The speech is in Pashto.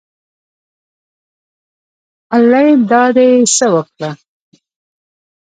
الۍ دا دې څه وکړه